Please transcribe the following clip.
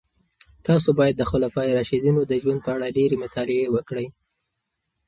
تاسو باید د خلفای راشدینو د ژوند په اړه ډېرې مطالعې وکړئ.